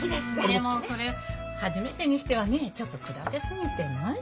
でもそれ初めてにしてはねえちょっとくだけすぎてない？